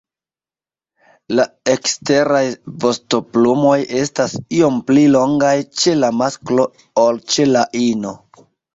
La eksteraj vostoplumoj estas iom pli longaj ĉe la masklo ol ĉe la ino.